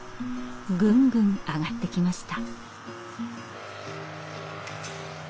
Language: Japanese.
ぐんぐん上がってきました。